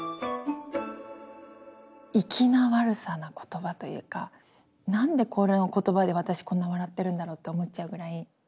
粋な悪さな言葉というか何でこれの言葉で私こんな笑ってるんだろうって思っちゃうぐらい。